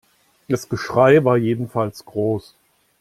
Das Geschrei war jedenfalls groß.